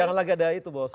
jangan lagi ada itu bos